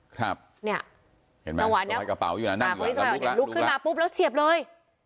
ครับเห็นไหมสะพายกระเป๋าอยู่นั่นนั่งอยู่นั่นลุกละลุกละลุกขึ้นมาปุ๊บแล้วเสียบเลย